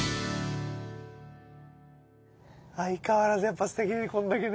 相変わらずやっぱすてきでこんだけね。